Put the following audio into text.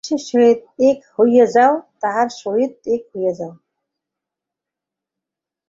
বিশ্বের সহিত এক হইয়া যাও, তাঁহার সহিত এক হইয়া যাও।